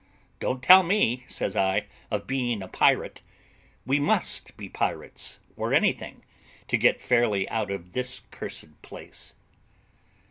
"Don't tell me," says I, "of being a pirate; we must be pirates, or anything, to get fairly out of this cursed place."